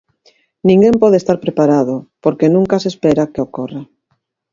Ninguén pode estar preparado, porque nunca se espera que ocorra.